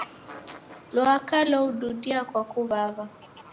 Lwaka loududia kwa kuw'aw'a.